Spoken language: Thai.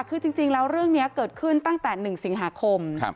คือจริงแล้วเรื่องนี้เกิดขึ้นตั้งแต่๑สิงหาคม